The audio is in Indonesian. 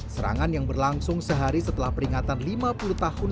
serangan yang berlangsung sehari setelah peringatan lima puluh tahun